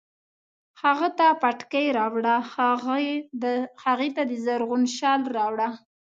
هغه ته پټکی راوړه، هغې ته زرغون شال راوړه